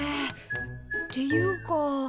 っていうか。